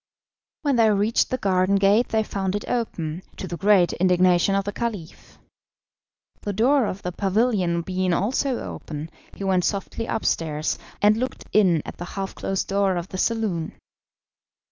When they reached the garden gate they found it open, to the great indignation of the Caliph. The door of the pavilion being also open, he went softly upstairs, and looked in at the half closed door of the saloon.